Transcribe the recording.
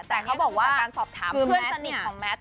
แต่เขาบอกว่าการสอบถามเพื่อนสนิทของแมท